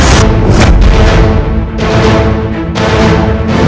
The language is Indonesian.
aku akan mencari penyelesaianmu